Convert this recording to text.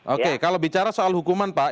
oke kalau bicara soal hukuman pak